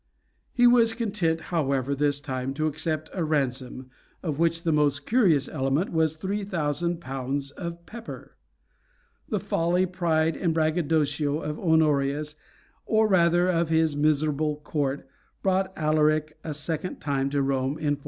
He was content, however, this time to accept a ransom, of which the most curious element was three thousand pounds of pepper. The folly, pride, and braggadocio of Honorius, or rather of his miserable court, brought Alaric a second time to Rome in 409.